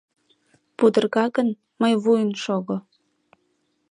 Пудырга гын, мый вуйын шого!..